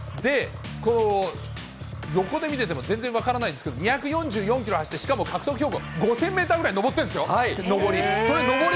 この横で見てても、全然分からないんですけど、２４４キロ走って、しかも５０００メーターぐらい上ってんですよ、上り。